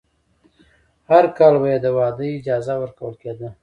هر کال به یې د واده اجازه ورکول کېده.